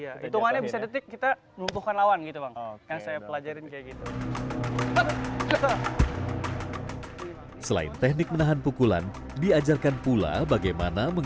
jingkrak jingkrik yang berarti lincah sesuai gerakan si monyet